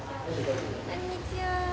こんにちは。